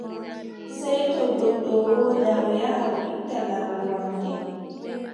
Sey to goɗɗo woodaa, o yaha o itta laral wamnde.